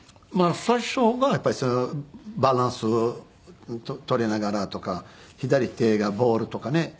最初はやっぱりバランスを取りながらとか左手がボールとかね